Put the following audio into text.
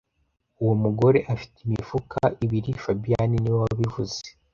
Uwo mugore afite imifuka ibiri fabien niwe wabivuze